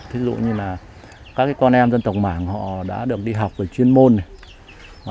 thí dụ như là các con em dân tộc mảng họ đã được đi học về chuyên môn này